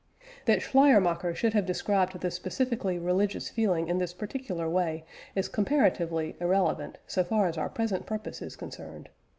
That Schleiermacher should have described the specifically religious feeling in this particular way is comparatively irrelevant so far as our present purpose is concerned.